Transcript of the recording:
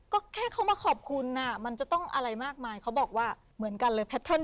ก็แค่เขามาขอบคุณมันจะต้องอะไรมากมายเขาบอกว่าเหมือนกันเลยแพทเทิร์น